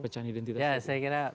saya kira terima kasih